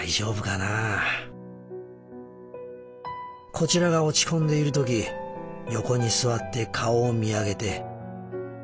こちらが落ち込んでいる時横に座って顔を見上げてにゃあと一声。